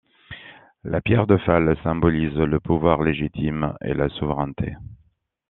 La Pierre de Fal symbolise le pouvoir légitime et la souveraineté.